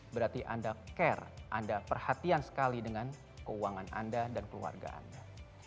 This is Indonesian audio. berarti anda care anda perhatian sekali dengan keuangan anda dan keluarga anda